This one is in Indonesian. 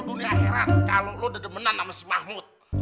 dunia heran kalau lo dedemenan sama si mahmud